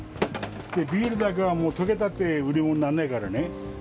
ビールだけはもう、とけたって、売り物にならないからね。